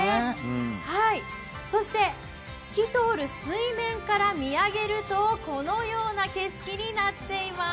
そして透き通る水面から見上げると、このような景色になっています。